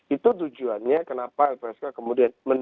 itu tujuannya kenapa lpsk kemudian